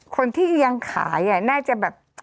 คนที่ยังขายน่าจะแบบ